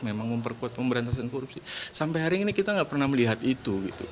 memang memperkuat pemberantasan korupsi sampai hari ini kita nggak pernah melihat itu